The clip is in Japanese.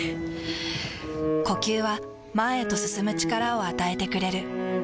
ふぅ呼吸は前へと進む力を与えてくれる。